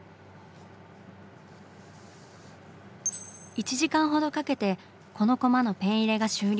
１時間ほどかけてこのコマのペン入れが終了。